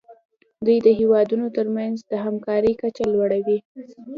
دوی د هیوادونو ترمنځ د همکارۍ کچه لوړوي